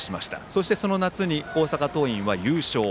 そして、その夏に大阪桐蔭は優勝。